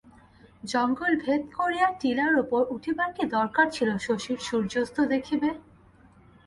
জঙ্গল ভেদ করিয়া টিলার উপর উঠিবার কী দরকার ছিল শশীর সূর্যস্ত দেখিবে।